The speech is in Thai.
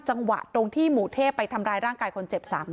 จังหวะตรงที่หมู่เทพไปทำร้ายร่างกายคนเจ็บซ้ำ